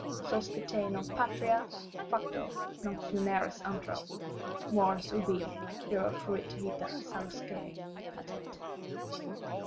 Sospite nunc patria, fracto nunc funeris antro, Mors ubi dira fuit vita salusque patent.